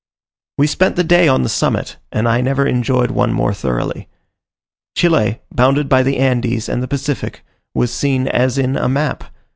We spent the day on the summit, and I never enjoyed one more thoroughly. Chile, bounded by the Andes and the Pacific, was seen as in a map.